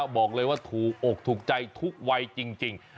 บอกเลยว่าถูกอกถูกใจทุกวัยจริง